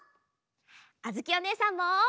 あづきおねえさんも！